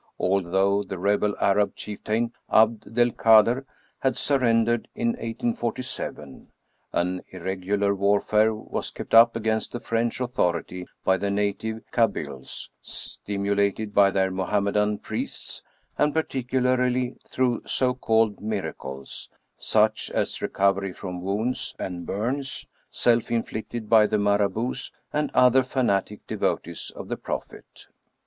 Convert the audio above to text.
Although the rebel Arab chieftain Abd del Kader had surrendered in 1847, an irregular warfare was kept up against the French author ity by the native Kabyles, stimulated by their Mohammedan priests, and particularly through so called "miracles," such as recovery from wounds and bums self inflicted by the Marabouts and other fanatic devotees of the Prophet.